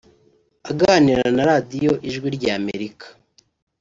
Aganira na Radio ijwi rya Amerika